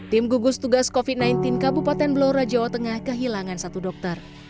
tim gugus tugas covid sembilan belas kabupaten blora jawa tengah kehilangan satu dokter